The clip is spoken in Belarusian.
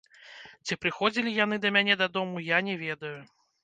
Ці прыходзілі яны да мяне дадому, я не ведаю.